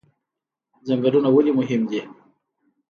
ځنګلونه ولې مهم دي؟